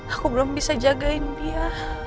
aku belum bisa jadi ibu yang baik buat keysha